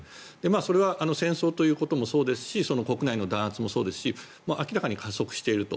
それは戦争ということもそうですし国内の弾圧もそうですし明らかに加速していると。